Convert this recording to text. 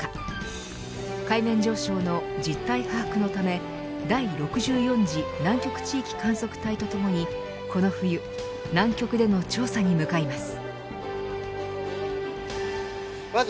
海面上昇の実態把握のため第６４次南極地域観測隊とともにこの冬南極での調査に向かいます。